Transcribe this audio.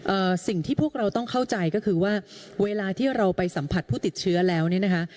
สิ่งที่พวกเราต้องเข้าใจก็คือว่าเวลาที่เราไปสัมผัสผู้ติดเชื้อแล้วเนี่ยนะคะ